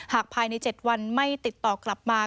ภายใน๗วันไม่ติดต่อกลับมา